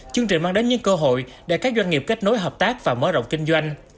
chương trình mang đến những cơ hội để các doanh nghiệp kết nối hợp tác và mở rộng kinh doanh